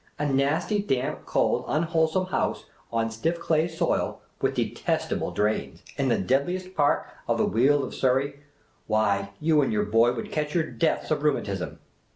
A nasty, damp, cold, unwholesome house, on stiff clay soil, with detestable drains, in the dead liest part of the Weald of Surrey, — why, you and your boy would catch your deaths of rheumatism."